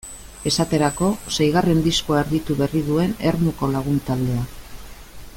Esaterako, seigarren diskoa erditu berri duen Ermuko lagun taldea.